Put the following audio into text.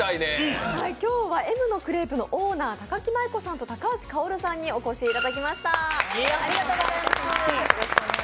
今日はＭのクレープのオーナー高木まいこさんと高橋薫さんにお越しいただきました。